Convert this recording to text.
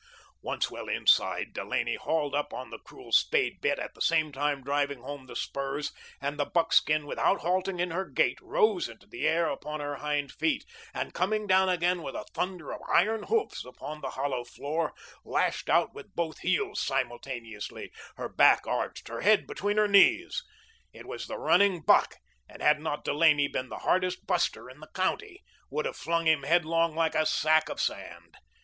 Once well inside, Delaney hauled up on the cruel spade bit, at the same time driving home the spurs, and the buckskin, without halting in her gait, rose into the air upon her hind feet, and coming down again with a thunder of iron hoofs upon the hollow floor, lashed out with both heels simultaneously, her back arched, her head between her knees. It was the running buck, and had not Delaney been the hardest buster in the county, would have flung him headlong like a sack of sand.